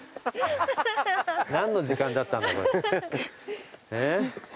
何の時間だったんだこれえっ？